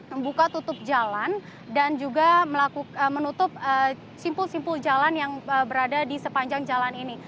membuka tutup jalan dan juga menutup simpul simpul jalan yang berada di sepanjang jalan ini